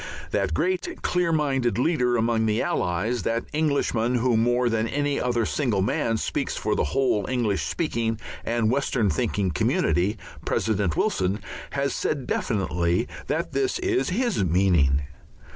That great, clear minded leader among the Allies, that Englishman who more than any other single man speaks for the whole English speaking and Western thinking community, President Wilson, has said definitely that this is his meaning.